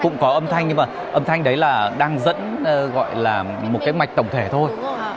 cũng có âm thanh nhưng mà âm thanh đấy là đang dẫn gọi là một cái mạch tổng thể thôi